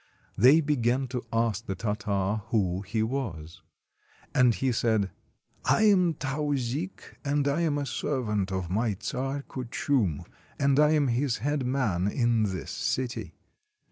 They began to ask the Tartar who he was. And he said: "I am Tauzik, and I am a servant of my Czar Kuchum, and I am his head man in this city."